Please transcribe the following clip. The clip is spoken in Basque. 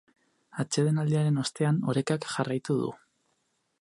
Atsedenaldiaren ostean orekak jarraitu du.